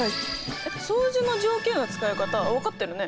えっ相似の条件の使い方分かってるね。